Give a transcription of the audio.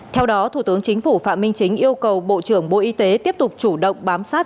theo đó thủ tướng chính phủ phạm minh chính yêu cầu bộ trưởng bộ y tế tiếp tục chủ động bám sát